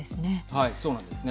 そうなんですね。